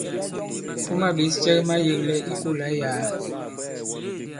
Fuma ɓěs cɛ ki mayēglɛ i kolà i yàa.